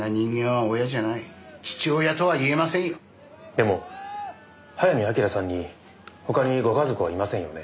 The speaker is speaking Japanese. でも早見明さんに他にご家族はいませんよね？